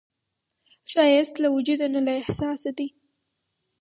ښایست له وجوده نه، له احساسه دی